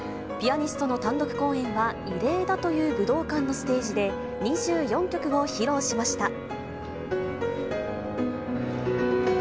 ピアニストの単独公演は異例だという武道館のステージで、２４曲を披露しました。